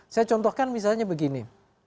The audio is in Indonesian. saya contohkan misalnya begini